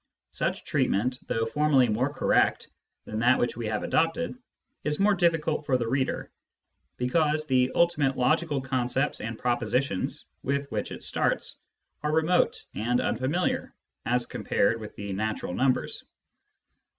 Such treatment, though formally more correct than that which we have adopted, is more difficult for the reader, because the ultimate logical concepts and propositions with which it starts are remote and unfamiliar as compared with the natural numbers.